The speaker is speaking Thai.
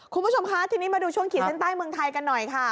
คุณผู้ชมคะทีนี้มาดูช่วงขีดเส้นใต้เมืองไทยกันหน่อยค่ะ